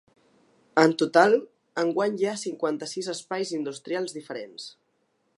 En total, enguany hi ha cinquanta-sis espais industrials diferents.